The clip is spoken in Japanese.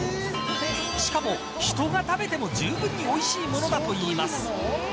しかも、人が食べてもじゅうぶんにおいしいものだといいます。